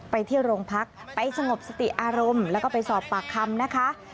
ไปที่โรงพักไปสงบสติอารมณ์แล้วก็ไปสอบปากคำนะคะ